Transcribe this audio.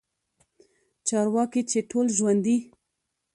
چارواکي چې ټول ژوندي